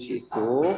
di pengadilan komunis